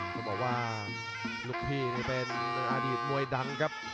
ไม่ว่าลูกพี่ยังไม่เป็นในอดีตมวยดังครับ